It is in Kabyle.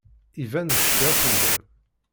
Iban cfiɣ fell-am.